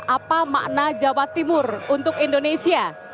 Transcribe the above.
apa makna jawa timur untuk indonesia